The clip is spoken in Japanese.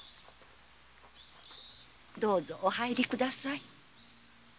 どうぞお入り下さい。